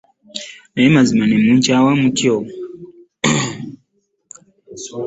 Naye mazima ne munkyawa mutyo!